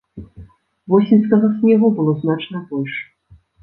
Восеньскага снегу было значна больш.